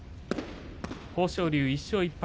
豊昇龍１勝１敗